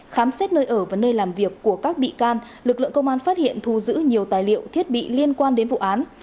khám xét nơi ở và nơi làm việc của các bị can lực lượng công an phát hiện thu giữ nhiều tài liệu thiết bị liên quan đến vụ án